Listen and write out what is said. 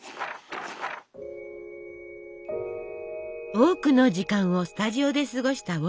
多くの時間をスタジオで過ごしたウォルト。